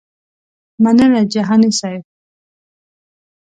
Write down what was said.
مننه جهاني صیب.